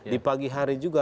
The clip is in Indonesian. di pagi hari juga